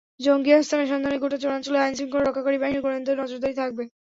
জঙ্গি আস্তানার সন্ধানে গোটা চরাঞ্চলে আইনশৃঙ্খলা রক্ষাকারী বাহিনীর গোয়েন্দা নজরদারি থাকবে।